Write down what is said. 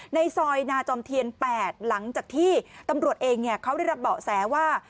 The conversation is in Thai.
ในซอยนาจอมเทียน๘หลังจากที่ตำรวจเองเขาได้รับเบาะแสว่า